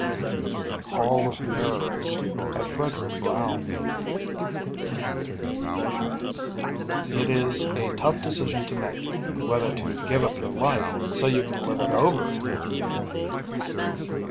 net Hall of Mirrors By FREDRIC BROWN _It is a tough decision to make whether to give up your life so you can live it over again!